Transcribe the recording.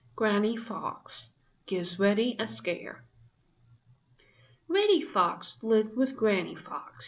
Granny Fox Gives Reddy a Scare Reddy Fox lived with Granny Fox.